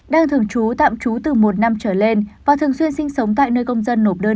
đang thường trú tạm trú từ một năm trở lên và thường xuyên sinh sống tại nơi công dân nộp đơn